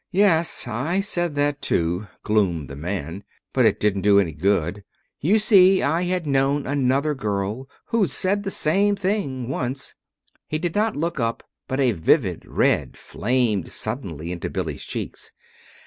"Yes, I said that, too," gloomed the man; "but it didn't do any good. You see, I had known another girl who'd said the same thing once." (He did not look up, but a vivid red flamed suddenly into Billy's cheeks.)